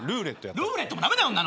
ルーレットも駄目だよ。